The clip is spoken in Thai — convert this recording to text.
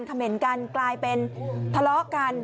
เขม่นกันกลายเป็นทะเลาะกัน